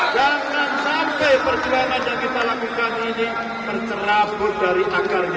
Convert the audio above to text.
jangan sampai perjuangan yang kita lakukan ini tercerabut dari akarnya